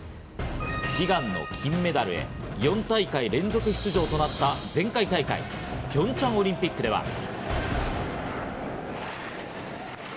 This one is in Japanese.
悲願の金メダルへ４大会連続出場となった前回大会、ピョンチャンオリンピックでは。